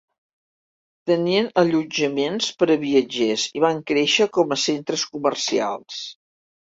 Tenien allotjaments per a viatgers i van créixer com a centres comercials.